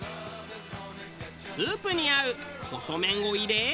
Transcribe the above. スープに合う細麺を入れ。